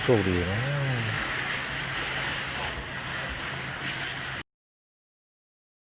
สวัสดีครับทุกคน